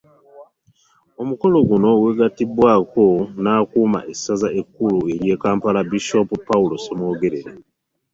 Omukolo guno gwetabiddwako n'akuuma essaza ekkulu ery'e Kampala, Bisopu Paul Ssemwogerere